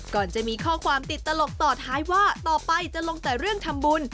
ก่อนจะมีข้อความติดตลกต่อท้ายว่าต่อไปจะลงแต่เรื่องทำบุญ